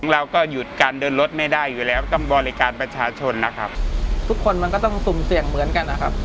เราก็หยุดการเดินรถไม่ได้อยู่แล้วต้องบริการประชาชนนะครับทุกคนมันก็ต้องสุ่มเสี่ยงเหมือนกันนะครับ